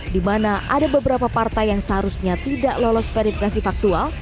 di mana ada beberapa partai yang seharusnya tidak lolos verifikasi faktual